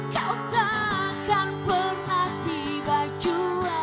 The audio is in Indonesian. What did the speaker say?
kau tak akan pernah tiba jua